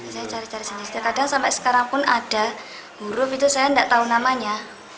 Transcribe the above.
saya cari cari sendiri kadang sampai sekarang pun ada huruf itu saya tidak tahu namanya